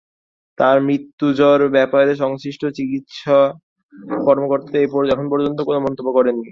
তাঁর মৃতু্যর ব্যাপারে সংশ্লিষ্ট চিকিৎসা কর্মকর্তারা এখন পর্যন্ত কোনো মন্তব্য করেননি।